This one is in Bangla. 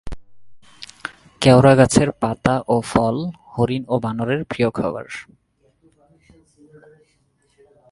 কেওড়া গাছের পাতা ও ফল হরিণ ও বানরের প্রিয় খাবার।